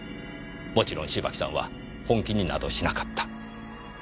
もちろん芝木さんは本気になどしなかった。